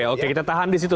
oke kita tahan di situ